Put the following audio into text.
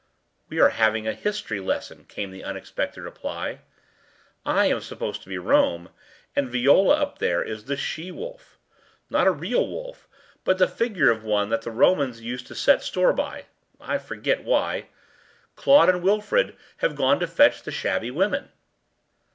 “We are having a history lesson,” came the unexpected reply. “I am supposed to be Rome, and Viola up there is the she wolf; not a real wolf, but the figure of one that the Romans used to set store by—I forget why. Claude and Wilfrid have gone to fetch the shabby women.